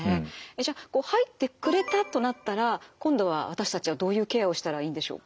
じゃあ入ってくれたとなったら今度は私たちはどういうケアをしたらいいんでしょうか？